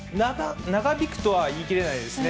長引くとは言いきれないですよね、